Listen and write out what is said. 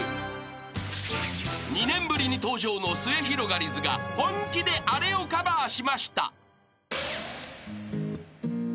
［２年ぶりに登場のすゑひろがりずが本気であれをカバーしました］